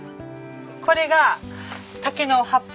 これが竹の葉っぱ。